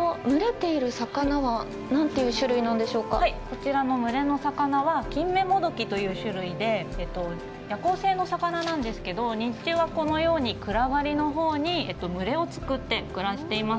こちらの群れの魚はキンメモドキという種類で夜行性の魚なんですけど日中はこのように暗がりのほうに群れを作って暮らしています。